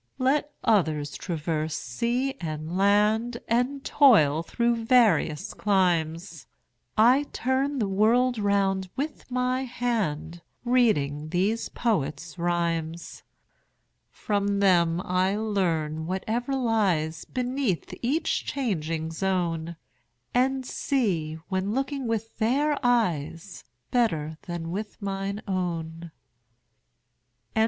Let others traverse sea and land, And toil through various climes, 30 I turn the world round with my hand Reading these poets' rhymes. From them I learn whatever lies Beneath each changing zone, And see, when looking with their eyes, 35 Better than with mine own. H. W.